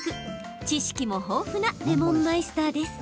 知識も豊富なレモンマイスターです。